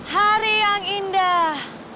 hari yang indah